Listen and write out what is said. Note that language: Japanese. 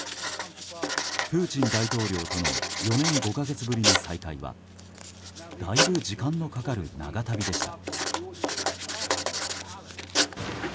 プーチン大統領との４年５か月ぶりの再会はだいぶ時間のかかる長旅でした。